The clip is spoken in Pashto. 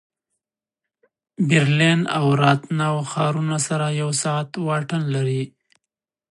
برلین او راتناو ښارونه سره یو ساعت واټن لري